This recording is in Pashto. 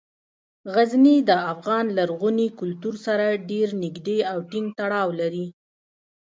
غزني د افغان لرغوني کلتور سره ډیر نږدې او ټینګ تړاو لري.